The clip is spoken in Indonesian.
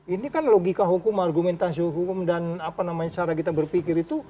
ini kan logika hukum argumentasi hukum dan cara kita berpikir itu